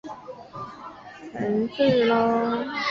巴林是一个位于美国阿肯色州锡巴斯琴县的城市。